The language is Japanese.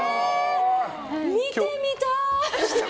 見てみたーい！